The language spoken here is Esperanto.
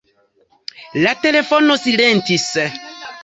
La telefono silentis.